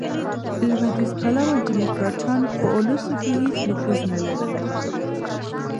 لوېدیځ پلوه ډیموکراټان، په اولسو کښي هیڅ نفوذ نه لري.